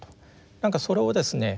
何かそれをですね